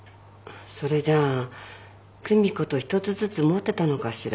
それじゃ久美子と一つずつ持ってたのかしら。